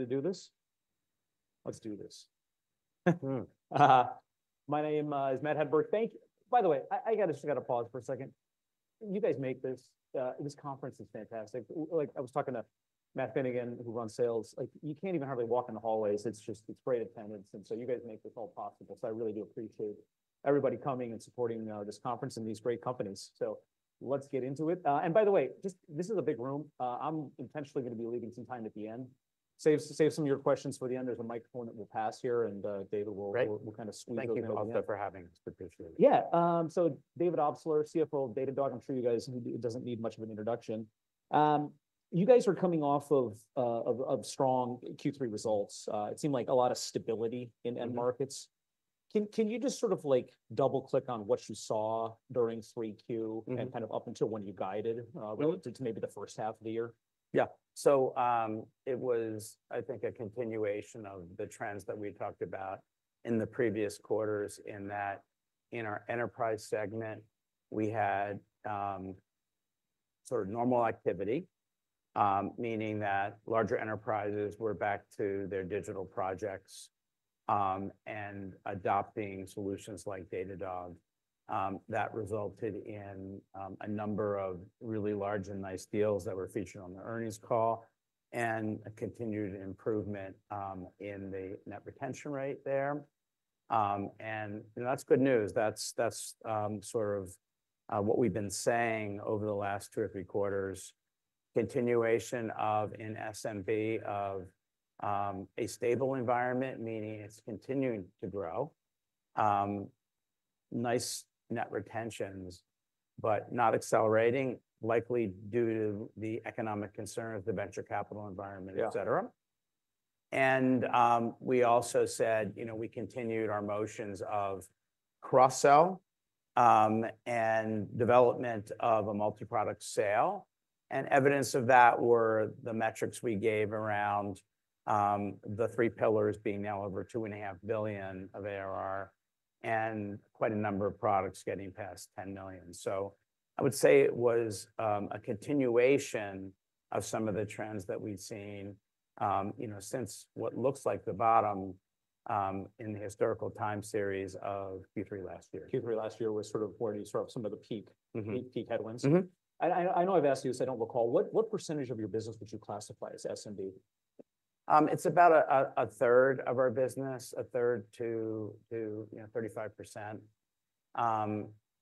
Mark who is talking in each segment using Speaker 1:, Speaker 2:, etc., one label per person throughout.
Speaker 1: Ready to do this? Let's do this. My name is Matt Hedberg. Thank you. By the way, I got to just pause for a second. You guys make this conference fantastic. I was talking to Matt Finnegan, who runs sales. You can't even hardly walk in the hallways. It's just great attendance. And so you guys make this all possible. So I really do appreciate everybody coming and supporting this conference and these great companies. So let's get into it. And by the way, this is a big room. I'm intentionally going to be leaving some time at the end. Save some of your questions for the end. There's a microphone that will pass here, and David will kind of squeeze in.
Speaker 2: Thank you for having us.
Speaker 1: Yeah. So David Obstler, CFO of Datadog. I'm sure you guys don't need much of an introduction. You guys are coming off of strong Q3 results. It seemed like a lot of stability in end markets. Can you just sort of double-click on what you saw during 3Q and kind of up until when you guided relative to maybe the first half of the year?
Speaker 2: Yeah. So it was, I think, a continuation of the trends that we talked about in the previous quarters in that in our enterprise segment, we had sort of normal activity, meaning that larger enterprises were back to their digital projects and adopting solutions like Datadog. That resulted in a number of really large and nice deals that were featured on the earnings call and a continued improvement in the net retention rate there. And that's good news. That's sort of what we've been saying over the last two or three quarters. Continuation of an SMB of a stable environment, meaning it's continuing to grow. Nice net retentions, but not accelerating, likely due to the economic concern of the venture capital environment, etc. And we also said we continued our motions of cross-sell and development of a multi-product sale. And evidence of that were the metrics we gave around the three pillars being now over $2.5 billion of ARR and quite a number of products getting past $10 million. So I would say it was a continuation of some of the trends that we've seen since what looks like the bottom in the historical time series of Q3 last year.
Speaker 1: Q3 last year was sort of where you saw some of the peak headwinds. I know I've asked you this, I don't recall. What percentage of your business would you classify as SMB?
Speaker 2: It's about 1/3 of our business, 1/3 to 35%.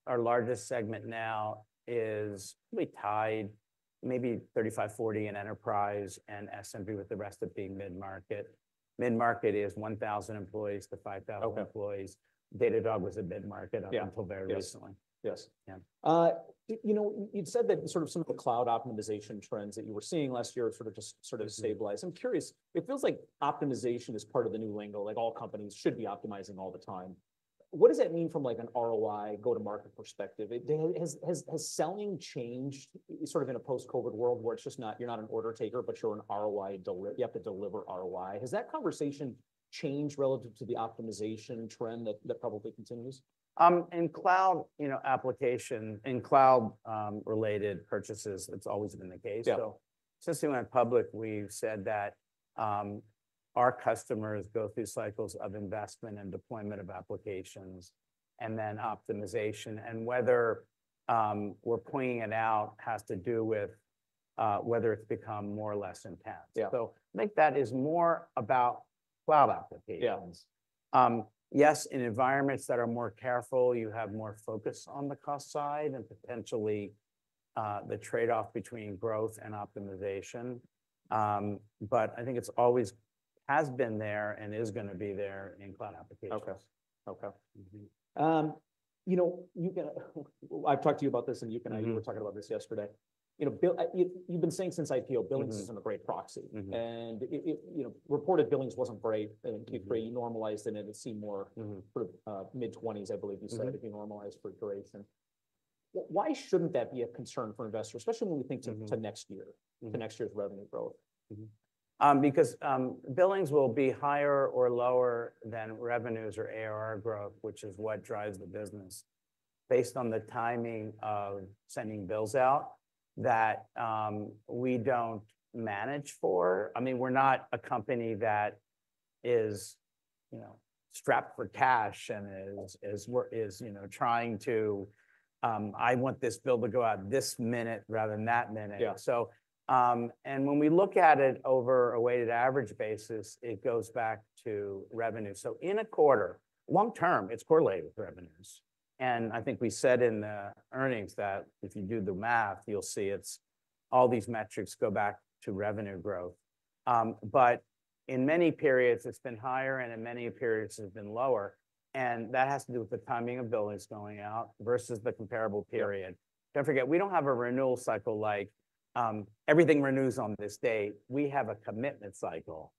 Speaker 2: Our largest segment now is probably tied, maybe 35%-40% in enterprise and SMB with the rest being mid-market. Mid-market is 1,000 employees to 5,000 employees. Datadog was a mid-market up until very recently.
Speaker 1: Yes. You said that sort of some of the cloud optimization trends that you were seeing last year sort of just stabilized. I'm curious. It feels like optimization is part of the new lingo. All companies should be optimizing all the time. What does that mean from an ROI go-to-market perspective? Has selling changed sort of in a post-COVID world where you're not an order taker, but you have to deliver ROI? Has that conversation changed relative to the optimization trend that probably continues?
Speaker 2: In cloud applications, in cloud-related purchases, it's always been the case, so since we went public, we've said that our customers go through cycles of investment and deployment of applications and then optimization, and whether we're pointing it out has to do with whether it's become more or less intense, so I think that is more about cloud applications. Yes, in environments that are more careful, you have more focus on the cost side and potentially the trade-off between growth and optimization, but I think it's always been there and is going to be there in cloud applications.
Speaker 1: Okay. I've talked to you about this and you and I were talking about this yesterday. You've been saying since IPO, billings isn't a great proxy. And reported billings wasn't great in Q3. You normalized and it seemed more sort of mid-20s, I believe you said, if you normalized for duration. Why shouldn't that be a concern for investors, especially when we think to next year, to next year's revenue growth?
Speaker 2: Because billings will be higher or lower than revenues or ARR growth, which is what drives the business. Based on the timing of sending bills out that we don't manage for. I mean, we're not a company that is strapped for cash and is trying to, "I want this bill to go out this minute rather than that minute." And when we look at it over a weighted average basis, it goes back to revenue. So in a quarter, long term, it's correlated with revenues. And I think we said in the earnings that if you do the math, you'll see all these metrics go back to revenue growth. But in many periods, it's been higher and in many periods, it's been lower. And that has to do with the timing of billings going out versus the comparable period. Don't forget, we don't have a renewal cycle like everything renews on this date. We have a commitment cycle,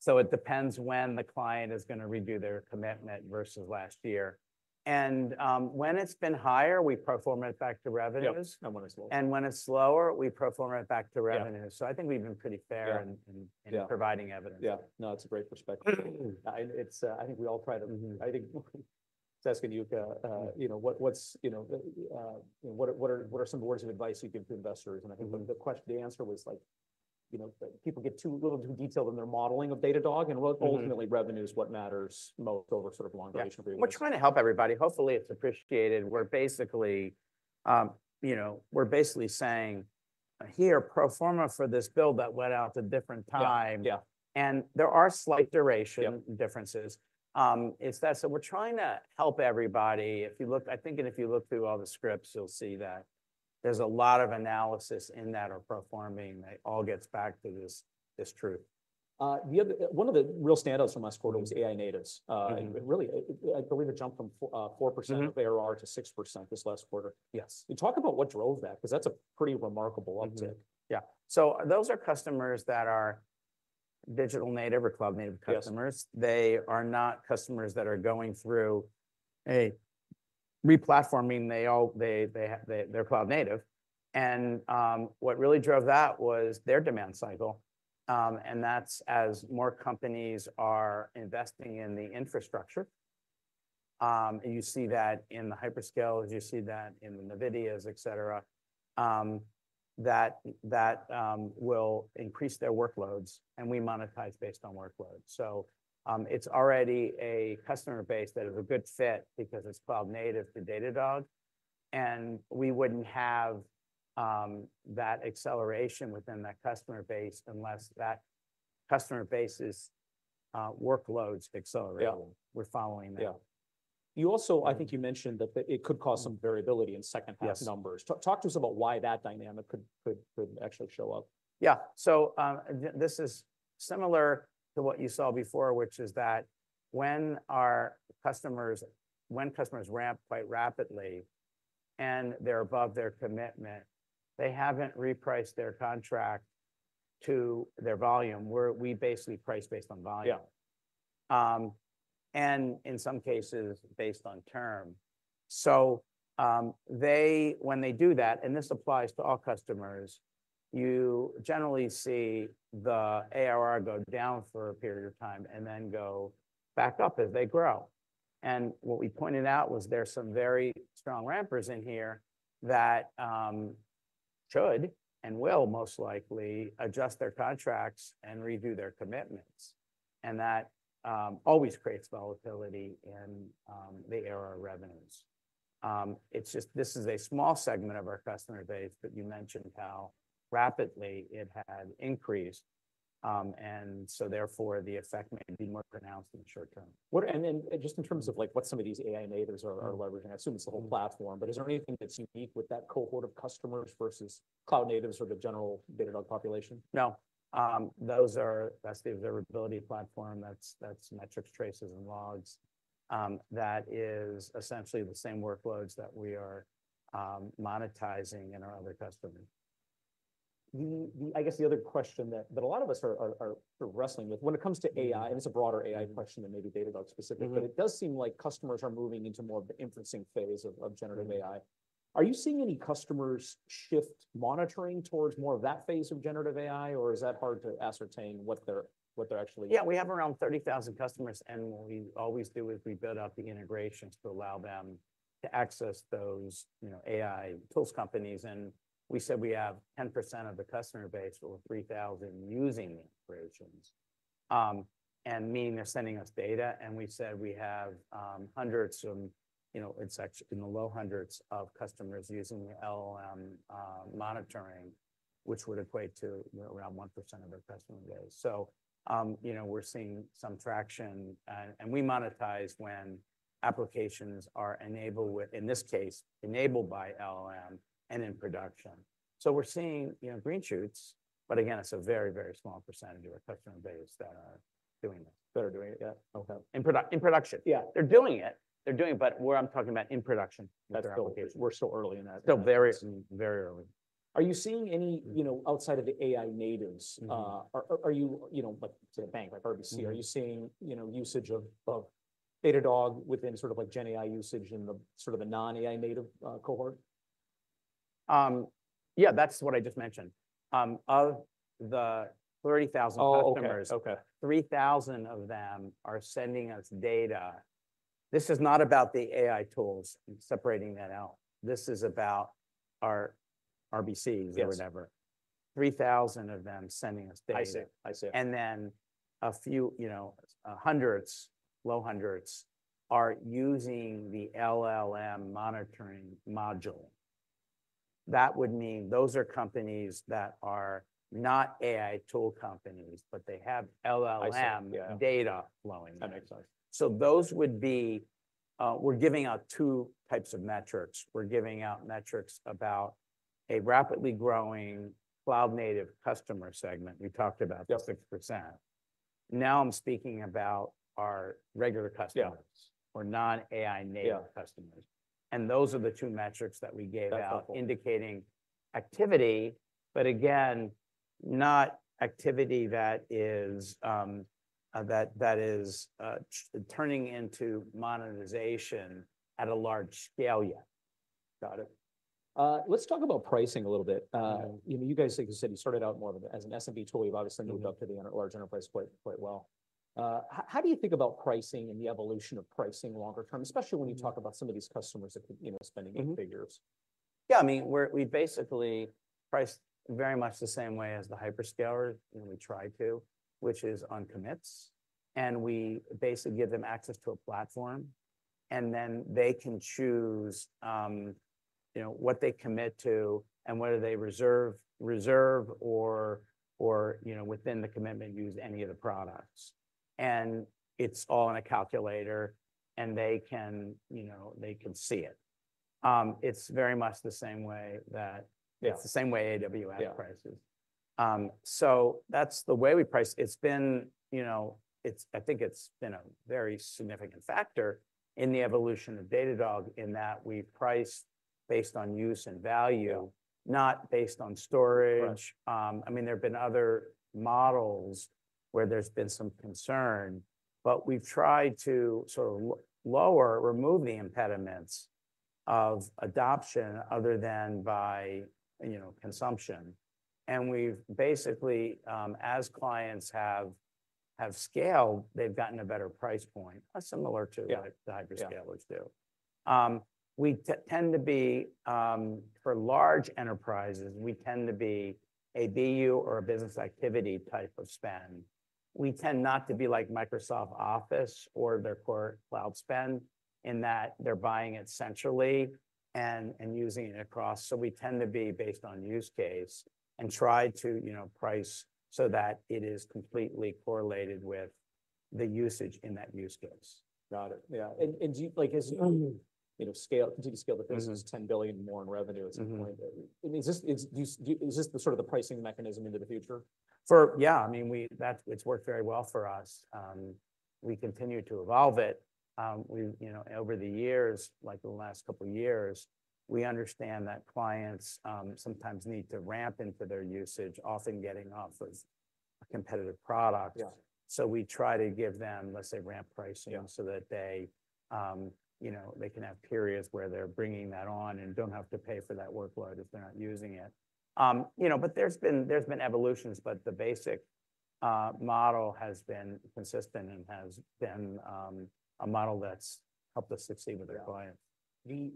Speaker 2: so it depends when the client is going to redo their commitment versus last year, and when it's been higher, we perform it back to revenues, and when it's slower, we perform it back to revenues, so I think we've been pretty fair in providing evidence.
Speaker 1: Yeah. No, that's a great perspective. I think we all try to, I think, asking Yuka, what are some words of advice you give to investors? And I think the answer was people get too little detail in their modeling of Datadog and ultimately revenue is what matters most over sort of long duration period.
Speaker 2: We're trying to help everybody. Hopefully, it's appreciated. We're basically saying, "Here, pro forma for this bill that went out at a different time." And there are slight duration differences. So we're trying to help everybody. If you look, I think, and if you look through all the scripts, you'll see that there's a lot of analysis in that or performing. It all gets back to this truth.
Speaker 1: One of the real standouts from last quarter was AI Natives. Really, I believe it jumped from 4% of ARR to 6% this last quarter.
Speaker 2: Yes.
Speaker 1: Talk about what drove that, because that's a pretty remarkable uptake.
Speaker 2: Yeah. So those are customers that are digital native or cloud native customers. They are not customers that are going through a replatforming. They're cloud native. And what really drove that was their demand cycle. And that's as more companies are investing in the infrastructure. You see that in the hyperscalers. You see that in the NVIDIAs, etc., that will increase their workloads. And we monetize based on workloads. So it's already a customer base that is a good fit because it's cloud native to Datadog. And we wouldn't have that acceleration within that customer base unless that customer base's workloads accelerate. We're following that.
Speaker 1: Yeah. You also, I think you mentioned that it could cause some variability in second half numbers. Talk to us about why that dynamic could actually show up.
Speaker 2: Yeah. So this is similar to what you saw before, which is that when customers ramp quite rapidly and they're above their commitment, they haven't repriced their contract to their volume. We basically price based on volume. And in some cases, based on term. So when they do that, and this applies to all customers, you generally see the ARR go down for a period of time and then go back up as they grow. And what we pointed out was there are some very strong rampers in here that should and will most likely adjust their contracts and redo their commitments. And that always creates volatility in the ARR revenues. It's just this is a small segment of our customer base, but you mentioned how rapidly it had increased. And so therefore, the effect may be more pronounced in the short term.
Speaker 1: Just in terms of what some of these AI Natives are leveraging, I assume it's the whole platform, but is there anything that's unique with that cohort of customers versus cloud native sort of general Datadog population?
Speaker 2: No. Those are best-of-breed platform. That's metrics, traces, and logs. That is essentially the same workloads that we are monetizing in our other customers.
Speaker 1: I guess the other question that a lot of us are wrestling with when it comes to AI, and it's a broader AI question and maybe Datadog specific, but it does seem like customers are moving into more of the inferencing phase of generative AI. Are you seeing any customers shift monitoring towards more of that phase of generative AI, or is that hard to ascertain what they're actually?
Speaker 2: Yeah, we have around 30,000 customers. And what we always do is we build out the integrations to allow them to access those AI tools companies. And we said we have 10% of the customer base, over 3,000, using the integrations, meaning they're sending us data. And we said we have hundreds in the low hundreds of customers using LLM monitoring, which would equate to around 1% of our customer base. So we're seeing some traction. And we monetize when applications are enabled, in this case, enabled by LLM and in production. So we're seeing green shoots, but again, it's a very, very small percentage of our customer base that are doing this.
Speaker 1: That are doing it, yeah.
Speaker 2: In production. Yeah, they're doing it. They're doing it, but where I'm talking about in production. We're still early in that. Still very early.
Speaker 1: Are you seeing any outside of the AI natives? Are you, say, a bank like RBC, are you seeing usage of Datadog within sort of Gen AI usage in sort of the non-AI native cohort?
Speaker 2: Yeah, that's what I just mentioned. Of the 30,000 customers, 3,000 of them are sending us data. This is not about the AI tools separating that out. This is about our NRRs or whatever. 3,000 of them sending us data. And then a few hundreds, low hundreds, are using the LLM monitoring module. That would mean those are companies that are not AI tool companies, but they have LLM data flowing in. So those would be. We're giving out two types of metrics. We're giving out metrics about a rapidly growing cloud native customer segment. We talked about the 6%. Now I'm speaking about our regular customers or non-AI native customers. And those are the two metrics that we gave out indicating activity, but again, not activity that is turning into monetization at a large scale yet.
Speaker 1: Got it. Let's talk about pricing a little bit. You guys said you started out more as an SMB tool. You've obviously moved up to the large enterprise quite well. How do you think about pricing and the evolution of pricing longer term, especially when you talk about some of these customers spending big figures?
Speaker 2: Yeah, I mean, we basically price very much the same way as the hyperscalers. We try to, which is on commits. And we basically give them access to a platform. And then they can choose what they commit to and whether they reserve or within the commitment use any of the products. And it's all in a calculator. And they can see it. It's very much the same way that it's the same way AWS prices. So that's the way we price. I think it's been a very significant factor in the evolution of Datadog in that we've priced based on use and value, not based on storage. I mean, there have been other models where there's been some concern, but we've tried to sort of lower, remove the impediments of adoption other than by consumption. And we've basically, as clients have scaled, they've gotten a better price point, similar to what the hyperscalers do. We tend to be, for large enterprises, we tend to be a BU or a business activity type of spend. We tend not to be like Microsoft Office or their core cloud spend in that they're buying it centrally and using it across. So we tend to be based on use case and try to price so that it is completely correlated with the usage in that use case.
Speaker 1: Got it. Yeah, and do you continue to scale the business? It's $10 billion more in revenue at some point. Is this sort of the pricing mechanism into the future?
Speaker 2: Yeah. I mean, it's worked very well for us. We continue to evolve it. Over the years, like the last couple of years, we understand that clients sometimes need to ramp into their usage, often getting off of competitive products. So we try to give them, let's say, ramp pricing so that they can have periods where they're bringing that on and don't have to pay for that workload if they're not using it. But there's been evolutions, but the basic model has been consistent and has been a model that's helped us succeed with our clients.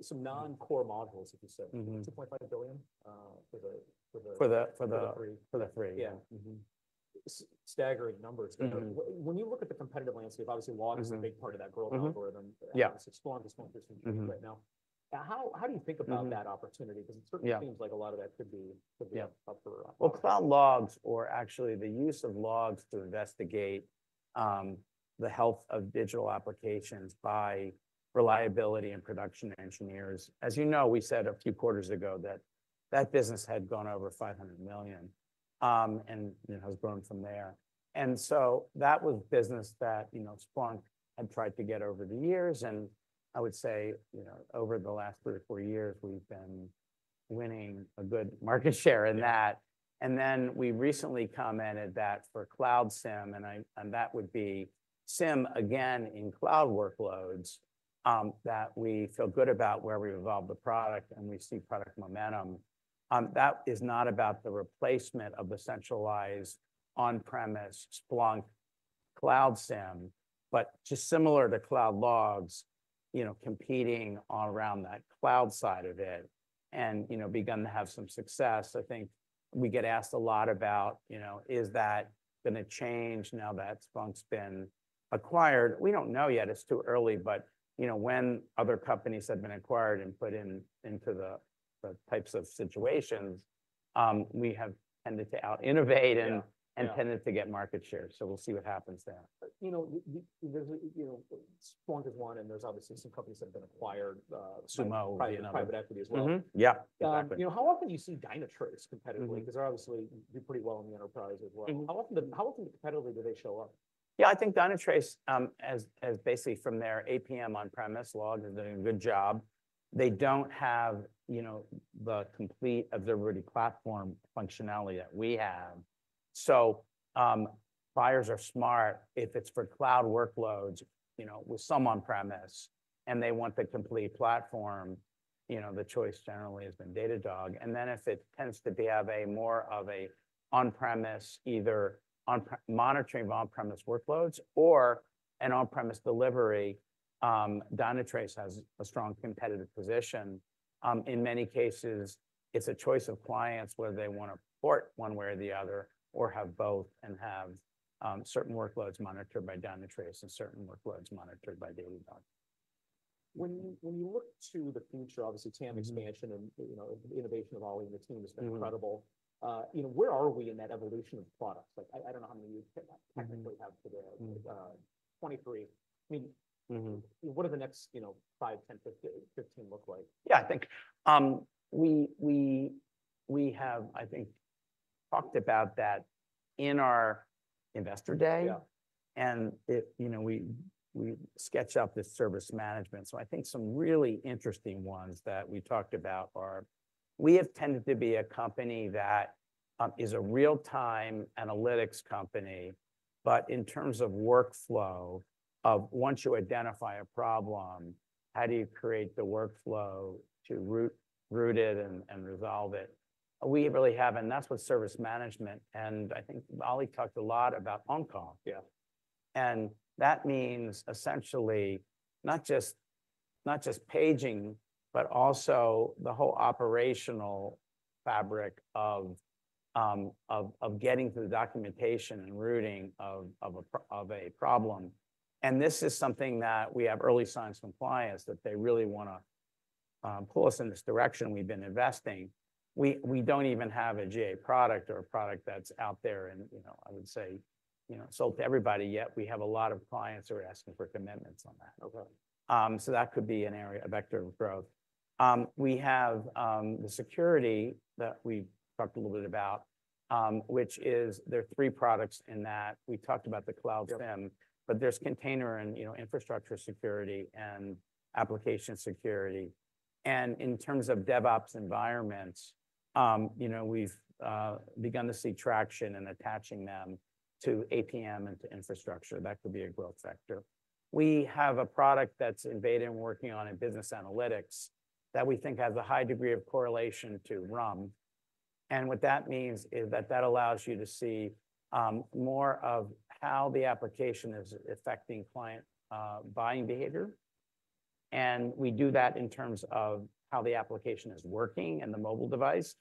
Speaker 1: Some non-core modules, like you said. $2.5 billion for the.
Speaker 2: For the three. Yeah. Staggering numbers.
Speaker 1: When you look at the competitive landscape, obviously, logs is a big part of that growth algorithm. It's exploring this 1% right now. How do you think about that opportunity? Because it certainly seems like a lot of that could be up for.
Speaker 2: Cloud logs or actually the use of logs to investigate the health of digital applications by reliability and production engineers. As you know, we said a few quarters ago that that business had gone over $500 million and has grown from there. That was business that Splunk had tried to get over the years. I would say over the last three or four years, we've been winning a good market share in that. We recently commented that for Cloud SIEM, and that would be SIEM, again, in cloud workloads that we feel good about where we've evolved the product and we see product momentum. That is not about the replacement of the centralized on-premise Splunk Cloud SIEM, but just similar to cloud logs competing around that cloud side of it and begun to have some success. I think we get asked a lot about, is that going to change now that Splunk's been acquired? We don't know yet. It's too early. But when other companies have been acquired and put into the types of situations, we have tended to out-innovate and tended to get market share. So we'll see what happens there.
Speaker 1: Splunk is one, and there's obviously some companies that have been acquired. Sumo is a private equity as well.
Speaker 2: Yeah.
Speaker 1: How often do you see Dynatrace competitively? Because they obviously do pretty well in the enterprise as well. How often competitively do they show up?
Speaker 2: Yeah, I think Dynatrace, basically from their APM on-premise log, they're doing a good job. They don't have the complete observability platform functionality that we have. So buyers are smart. If it's for cloud workloads with some on-premise and they want the complete platform, the choice generally has been Datadog. And then if it tends to be more of an on-premise, either monitoring of on-premise workloads or an on-premise delivery, Dynatrace has a strong competitive position. In many cases, it's a choice of clients whether they want to port one way or the other or have both and have certain workloads monitored by Dynatrace and certain workloads monitored by Datadog.
Speaker 1: When you look to the future, obviously, TAM expansion and innovation of Ollie and the team has been incredible. Where are we in that evolution of product? I don't know how many you technically have today, 2023. I mean, what do the next five, 10, 15 look like?
Speaker 2: Yeah, I think we have, I think, talked about that in our Investor Day, and we sketched out the service management so I think some really interesting ones that we talked about are we have tended to be a company that is a real-time analytics company, but in terms of workflow, once you identify a problem, how do you create the workflow to root it and resolve it? We really have, and that's with service management. I think Ollie talked a lot about On Call, and that means essentially not just paging, but also the whole operational fabric of getting through the documentation and routing of a problem. This is something that we have early signs compliance that they really want to pull us in this direction. We've been investing. We don't even have a GA product or a product that's out there and I would say sold to everybody yet. We have a lot of clients who are asking for commitments on that. So that could be a vector of growth. We have the security that we talked a little bit about, which is there are three products in that. We talked about the Cloud SIEM, but there's container and infrastructure security and application security. And in terms of DevOps environments, we've begun to see traction in attaching them to APM and to infrastructure. That could be a growth factor. We have a product that's in beta and working on in business analytics that we think has a high degree of correlation to RUM. And what that means is that that allows you to see more of how the application is affecting client buying behavior. And we do that in terms of how the application is working and the mobile device,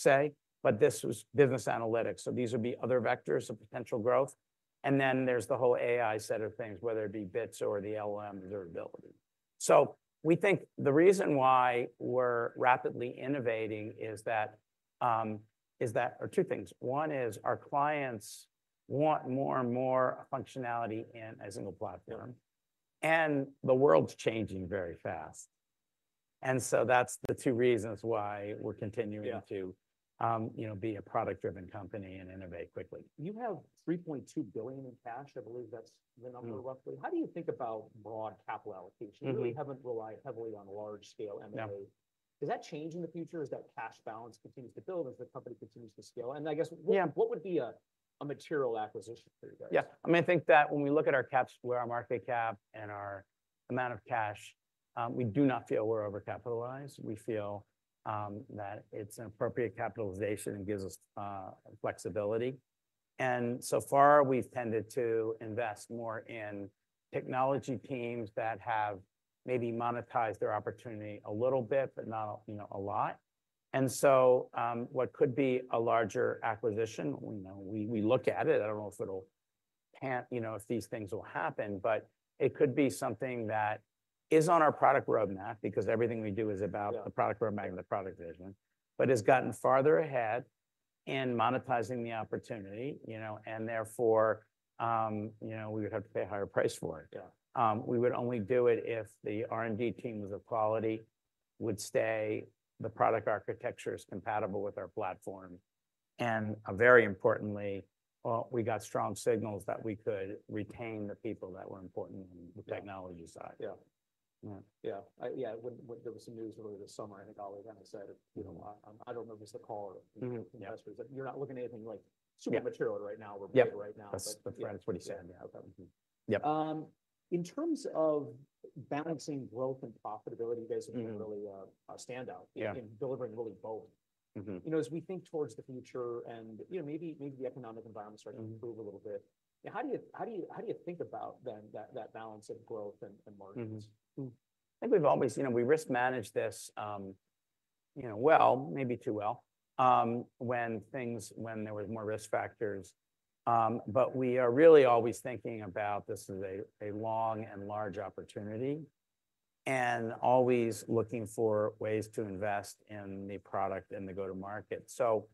Speaker 2: say, but this was business analytics. So these would be other vectors of potential growth. And then there's the whole AI set of things, whether it be Bits or the LLM observability. So we think the reason why we're rapidly innovating is that there are two things. One is our clients want more and more functionality in a single platform. And the world's changing very fast. And so that's the two reasons why we're continuing to be a product-driven company and innovate quickly.
Speaker 1: You have $3.2 billion in cash. I believe that's the number roughly. How do you think about broad capital allocation? You really haven't relied heavily on large-scale M&A. Does that change in the future? If that cash balance continues to build as the company continues to scale? And I guess, what would be a material acquisition for you guys?
Speaker 2: Yeah. I mean, I think that when we look at our market cap and our amount of cash, we do not feel we're over-capitalized. We feel that it's an appropriate capitalization and gives us flexibility. And so far, we've tended to invest more in technology teams that have maybe monetized their opportunity a little bit, but not a lot. And so, what could be a larger acquisition, we look at it. I don't know if these things will happen, but it could be something that is on our product roadmap because everything we do is about the product roadmap and the product vision, but has gotten farther ahead in monetizing the opportunity. And therefore, we would have to pay a higher price for it. We would only do it if the R&D team was of quality, would stay, the product architecture is compatible with our platform. Very importantly, we got strong signals that we could retain the people that were important on the technology side.
Speaker 1: Yeah. Yeah. Yeah. There was some news earlier this summer. I think Ollie kind of said, I don't know if it's the call or investors, that you're not looking at anything super material right now. We're big right now.
Speaker 2: That's what he said. Yeah.
Speaker 1: In terms of balancing growth and profitability, you guys have been really a standout in delivering really both. As we think towards the future and maybe the economic environment starts to improve a little bit, how do you think about then that balance of growth and margins?
Speaker 2: I think we've always risk managed this well, maybe too well, when there were more risk factors, but we are really always thinking about this as a long and large opportunity and always looking for ways to invest in the product and the go-to-market, so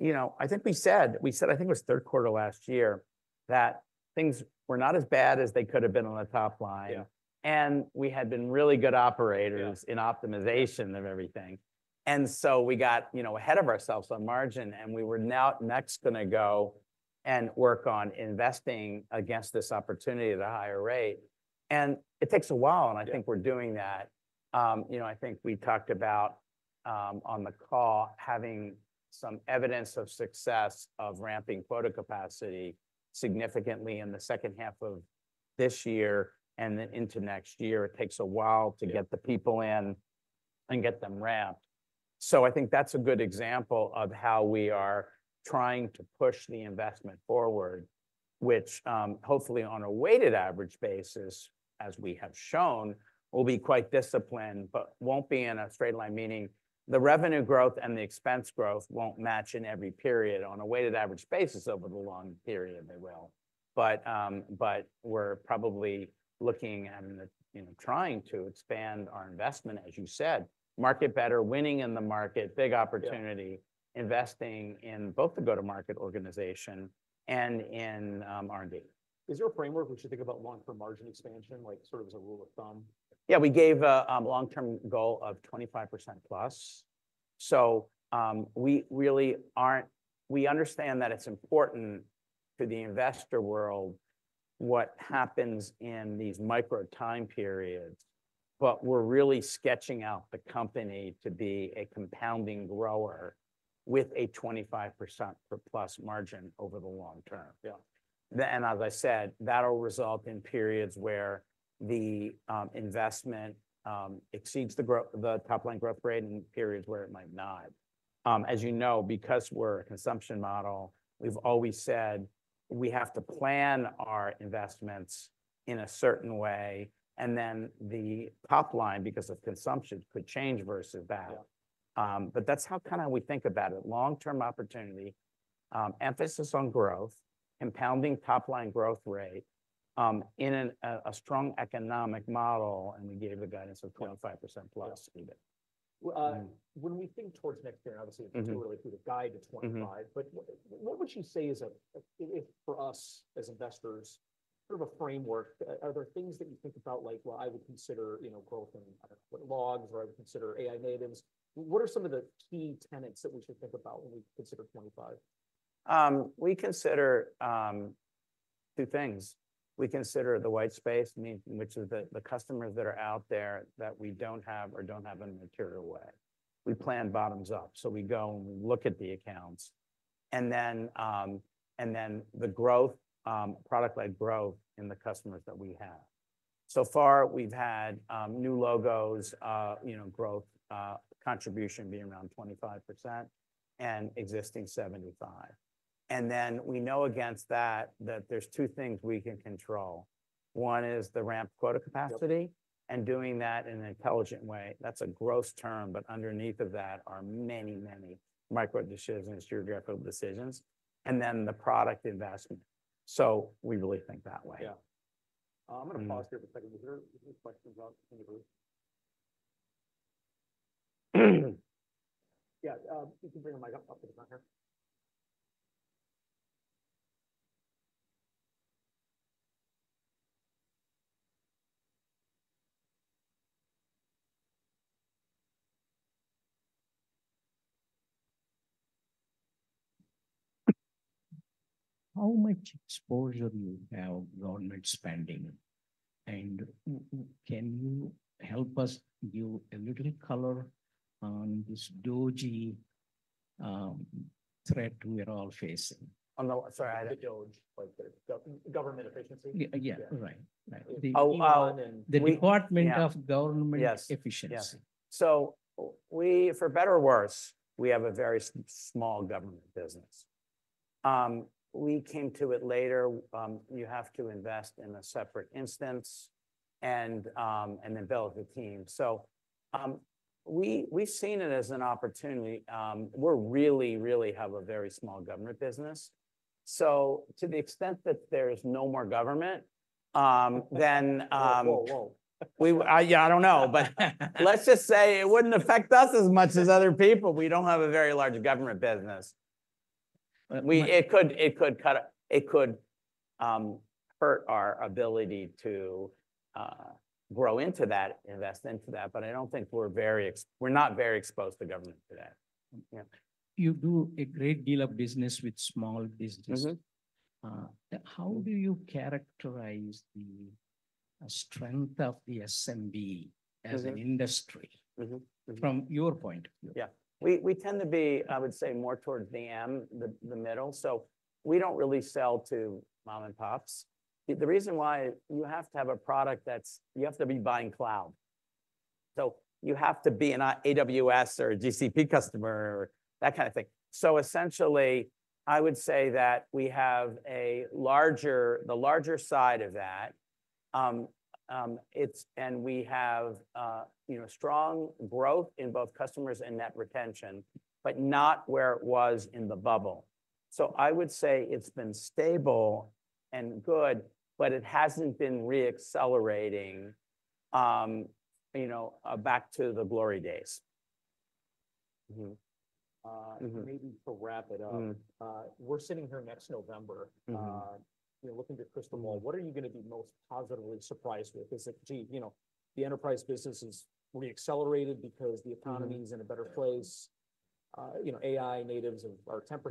Speaker 2: I think we said, I think it was third quarter last year, that things were not as bad as they could have been on the top line, and we had been really good operators in optimization of everything, and so we got ahead of ourselves on margin, and we were now next going to go and work on investing against this opportunity at a higher rate, and it takes a while, and I think we're doing that. I think we talked about on the call having some evidence of success of ramping headcount capacity significantly in the second half of this year and then into next year. It takes a while to get the people in and get them ramped. So I think that's a good example of how we are trying to push the investment forward, which hopefully on a weighted average basis, as we have shown, will be quite disciplined, but won't be in a straight line, meaning the revenue growth and the expense growth won't match in every period. On a weighted average basis over the long period, they will. But we're probably looking at trying to expand our investment, as you said, to market better, winning in the market, big opportunity, investing in both the go-to-market organization and in R&D.
Speaker 1: Is there a framework which you think about long-term margin expansion, like sort of as a rule of thumb?
Speaker 2: Yeah, we gave a long-term goal of 25%+. So we understand that it's important to the investor world what happens in these micro time periods, but we're really sketching out the company to be a compounding grower with a 25%+ margin over the long term. And as I said, that'll result in periods where the investment exceeds the top line growth rate and periods where it might not. As you know, because we're a consumption model, we've always said we have to plan our investments in a certain way. And then the top line, because of consumption, could change versus that. But that's how kind of we think about it. Long-term opportunity, emphasis on growth, compounding top line growth rate in a strong economic model. And we gave the guidance of 25%+ even.
Speaker 1: When we think towards next year, obviously, it's too early to guide to 2025. But what would you say is, for us as investors, sort of a framework? Are there things that you think about like, well, I would consider growth in logs or I would consider AI natives? What are some of the key tenets that we should think about when we consider 2025?
Speaker 2: We consider two things. We consider the white space, which is the customers that are out there that we don't have or don't have in a material way. We plan bottoms up. So we go and we look at the accounts. And then the growth, product-led growth in the customers that we have. So far, we've had new logos, growth contribution being around 25% and existing 75%. And then we know against that that there's two things we can control. One is the ramp throughput capacity and doing that in an intelligent way. That's a broad term, but underneath of that are many, many micro decisions, geographical decisions, and then the product investment. So we really think that way.
Speaker 1: Yeah. I'm going to pause here for a second. Is there any questions about any of those? Yeah. You can bring your mic up if it's not here. How much exposure do you have to government spending? And can you help us give a little color on this DOGE threat we are all facing?
Speaker 2: Sorry. The DOGE, Government Efficiency. Yeah. Right. The Department of Government Efficiency. So for better or worse, we have a very small government business. We came to it later. You have to invest in a separate instance and develop a team. So we've seen it as an opportunity. We really, really have a very small government business. So to the extent that there is no more government, then.
Speaker 1: Whoa, whoa.
Speaker 2: Yeah, I don't know. But let's just say it wouldn't affect us as much as other people. We don't have a very large government business. It could hurt our ability to grow into that, invest into that. But I don't think we're not very exposed to government today. You do a great deal of business with small businesses. How do you characterize the strength of the SMB as an industry from your point of view? Yeah. We tend to be, I would say, more towards the M, the middle. So we don't really sell to mom and pops. The reason why you have to have a product that's you have to be buying cloud. So you have to be an AWS or GCP customer, that kind of thing. So essentially, I would say that we have the larger side of that. And we have strong growth in both customers and net retention, but not where it was in the bubble. So I would say it's been stable and good, but it hasn't been re-accelerating back to the glory days.
Speaker 1: Maybe to wrap it up, we're sitting here next November, looking to crystal ball. What are you going to be most positively surprised with? Is it, gee, the enterprise business is re-accelerated because the economy is in a better place? AI Natives are 10%. I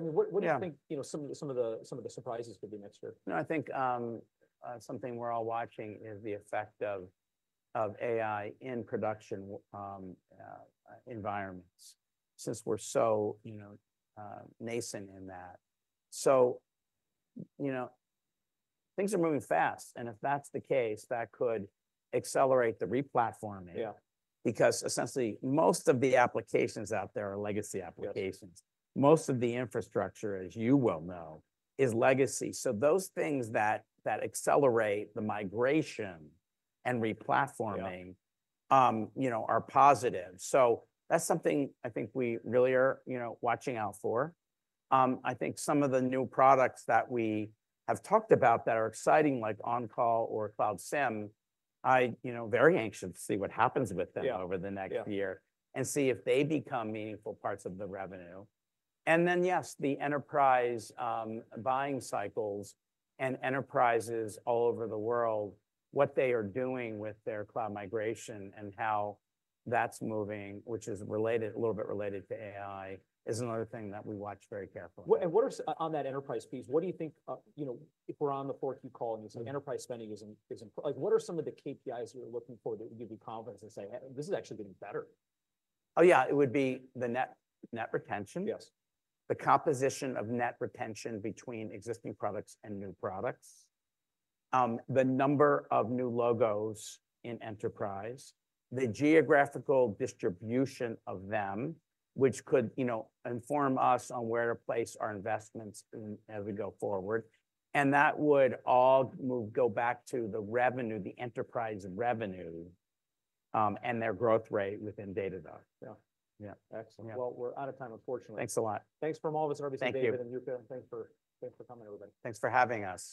Speaker 1: mean, what do you think some of the surprises could be next year?
Speaker 2: I think something we're all watching is the effect of AI in production environments since we're so nascent in that. So things are moving fast and if that's the case, that could accelerate the replatforming because essentially most of the applications out there are legacy applications. Most of the infrastructure, as you well know, is legacy. So those things that accelerate the migration and replatforming are positive, so that's something I think we really are watching out for. I think some of the new products that we have talked about that are exciting, like On Call or Cloud SIEM, I'm very anxious to see what happens with them over the next year and see if they become meaningful parts of the revenue. Then, yes, the enterprise buying cycles and enterprises all over the world, what they are doing with their cloud migration and how that's moving, which is a little bit related to AI, is another thing that we watch very carefully.
Speaker 1: On that enterprise piece, what do you think if we're on the 4Q call and you say enterprise spending is in? What are some of the KPIs you're looking for that would give you confidence and say, "This is actually getting better"?
Speaker 2: Oh, yeah. It would be the net retention, the composition of net retention between existing products and new products, the number of new logos in enterprise, the geographical distribution of them, which could inform us on where to place our investments as we go forward, and that would all go back to the revenue, the enterprise revenue, and their growth rate within Datadog.
Speaker 1: Yeah. Excellent. Well, we're out of time, unfortunately.
Speaker 2: Thanks a lot.
Speaker 1: Thanks from all of us at RBC, David and Yuka, and thanks for coming, everybody.
Speaker 2: Thanks for having us.